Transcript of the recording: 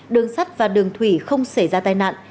đường sắt và đường thủy không xảy ra tai nạn